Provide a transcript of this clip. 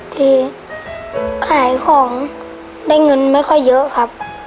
ที่ขายของได้เงินไม่ค่อยเยอะครับ